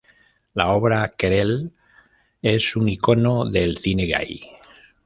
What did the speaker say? La obra "Querelle" es un icono del cine gay.